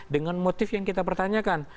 dengan motif yang kita pertanyakan